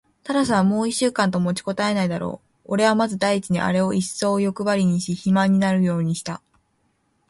タラスはもう一週間と持ちこたえないだろう。おれはまず第一にあれをいっそうよくばりにし、肥満になるようにした。